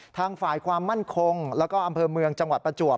ทางฝ่ายความมั่นคงแล้วก็อำเภอเมืองจังหวัดประจวบ